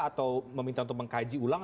atau meminta untuk mengkaji ulang